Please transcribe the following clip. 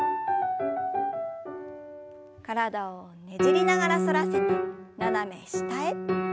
体をねじりながら反らせて斜め下へ。